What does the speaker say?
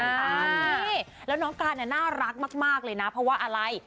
นี่แล้วน้องการเนี่ยน่ารักมากเลยนะเพราะว่าอะไร